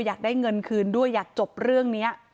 อยากได้เงินคืนด้วยอยากจบเรื่องนี้